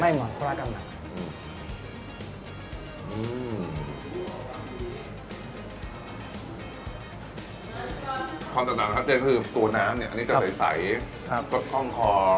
ความต่างต่างครับเจนคือตัวน้ำเนี้ยอันนี้ก็ใสครับซดข้องคอ